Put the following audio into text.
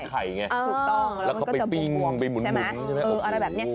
ถูกต้องแล้วก็ไปปิ้งไปหมุนใช่ไหมเอออะไรแบบนี้